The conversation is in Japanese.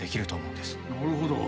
なるほど。